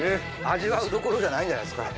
味わうどころじゃないんじゃないですか。